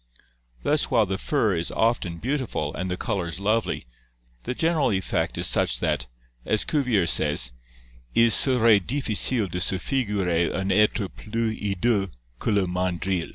Thus while the fur is often beautiful and the colors lovely, the general effect is such that, as Cuvier says, "II serait difficile de se figurer un 6tre plus hideux que le mandrill."